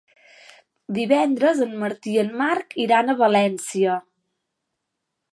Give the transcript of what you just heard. Divendres en Martí i en Marc iran a València.